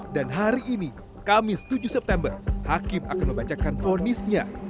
dan hari ini kamis tujuh september hakim akan membacakan ponisnya